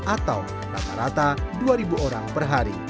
atau rata rata dua orang per hari